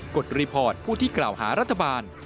ดรีพอร์ตผู้ที่กล่าวหารัฐบาล